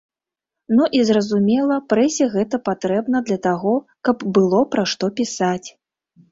Ну і, зразумела, прэсе гэта патрэбна для таго, каб было пра што пісаць.